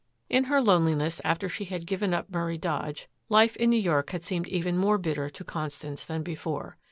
In her loneliness after she had given up Murray Dodge, life in New York had seemed even more bitter to Constance than before.